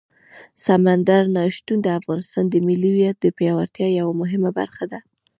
سمندر نه شتون د افغانستان د ملي اقتصاد د پیاوړتیا یوه مهمه برخه ده.